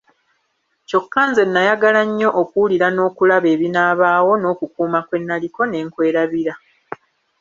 Kyokka nze nayagala nnyo okuwulira n'okulaba ebinaabaawo n'okukuuma kwe naliko ne nkwerabira.